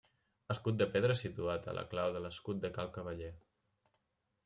Escut de pedra situat a la clau de l'escut de Cal Cavaller.